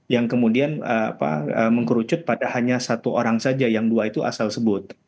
yang kemudian mengkerucut pada hanya satu orang saja yang dua itu asal sebut